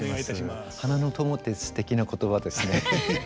花の友ってすてきな言葉ですね。